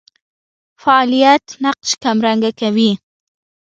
فاعلیت نقش کمرنګه کوي.